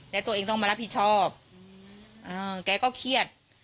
แล้วตัวเองต้องมารับผิดชอบแกก็เครียด